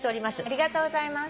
ありがとうございます。